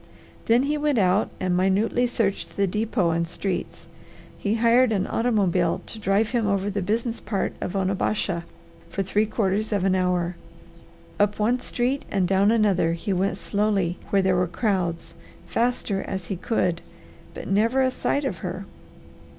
Then he went out and minutely searched the depot and streets. He hired an automobile to drive him over the business part of Onabasha for three quarters of an hour. Up one street and down another he went slowly where there were crowds, faster as he could, but never a sight of her.